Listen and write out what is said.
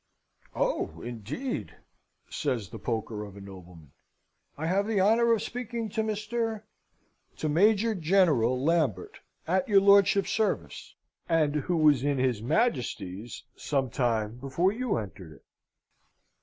"Oh, indeed!" says the poker of a nobleman. "I have the honour of speaking to Mr. ?" "To Major General Lambert, at your lordship's service, and who was in his Majesty's some time before you entered it.